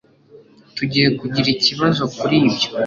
Tugiye kugira ikibazo kuri ibyo